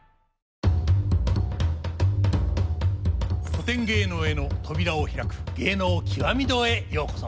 古典芸能への扉を開く「芸能きわみ堂」へようこそ。